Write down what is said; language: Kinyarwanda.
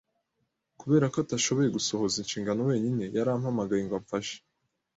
Kubera ko atashoboye gusohoza inshingano wenyine, yarampamagaye ngo amfashe.